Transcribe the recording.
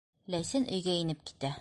Ләйсән өйгә инеп китә.